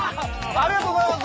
ありがとうございます。